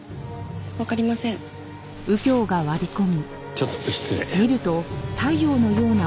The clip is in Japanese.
ちょっと失礼。